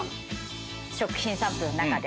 食品サンプルの中で。